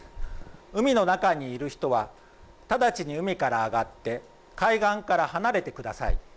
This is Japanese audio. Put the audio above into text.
海の中にいる人は直ちに海から上がって海岸から離れてください。